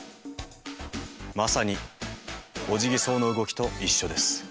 まさにオジギソウの動きと一緒です。